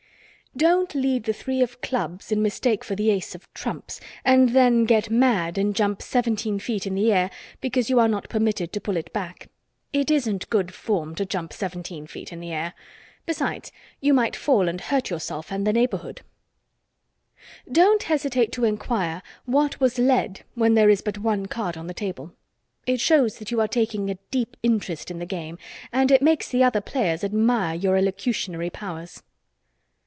Don't lead the three of clubs in mistake for the ace of trumps, and then get mad and jump seventeen feet in the air because you are not permitted to pull it back. It isn't good form to jump seventeen feet in the air. Besides, you might fall and hurt yourself and the neighborhood. Don't hesitate to inquire what was led when there is but one card on the table. It shows that you are taking a deep interest in the game, and it makes the other players admire your elocutionary powers.